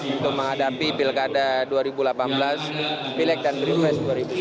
untuk menghadapi pilkada dua ribu delapan belas pileg dan prives dua ribu delapan belas